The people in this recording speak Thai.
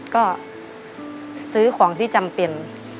ก็ซื้อของที่จำเป็น